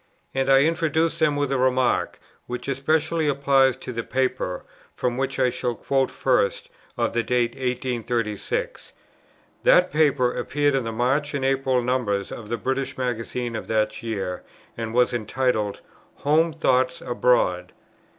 And I introduce them with a remark, which especially applies to the paper, from which I shall quote first, of the date of 1836. That paper appeared in the March and April numbers of the British Magazine of that year, and was entitled "Home Thoughts Abroad."